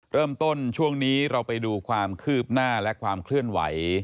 เริ่มต้นช่วงนี้เราไปดูความคืบหน้าและความเคลื่อนไหว